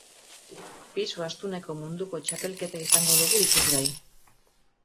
Pisu astuneko munduko txapelketa izango dugu ikusgai.